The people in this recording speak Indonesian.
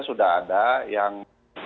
sudah ada yang